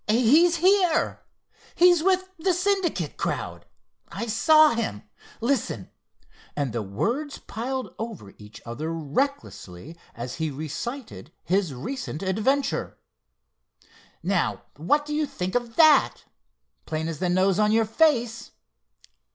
"He's here! He's with the Syndicate crowd. I saw him. Listen," and the words piled over each other recklessly as he recited his recent adventure. "Now what do you think of that? Plain as the nose on your face.